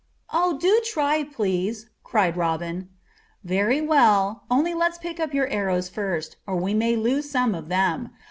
"Oh, do try, please," cried Robin. "Very well; only let's pick up your arrows first, or we may lose some of them.